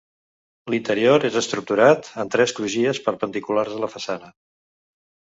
L'interior és estructurat en tres crugies perpendiculars a la façana.